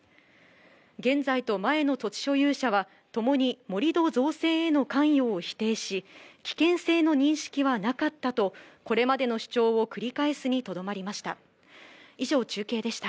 現在と前の土地所有者は、ともに盛り土造成への関与を否定し、危険性の認識はなかったと、これまでの主張を繰り返すにとどまりました。